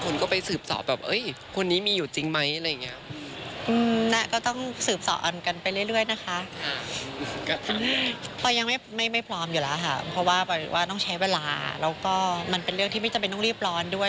แล้วก็มันเป็นเรื่องที่ไม่จำเป็นมัติรีบร้อนด้วย